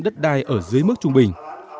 đất đai ở dưới mức trung bình